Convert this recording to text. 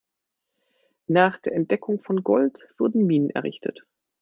Nach der Entdeckung von Gold wurden Minen errichtet.